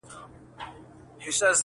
دا چي زه څه وايم، ته نه پوهېږې، څه وکمه؟